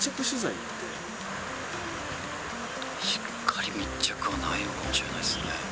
しっかり密着はないのかもしれないですね。